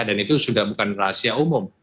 dan itu sudah bukan rahasia umum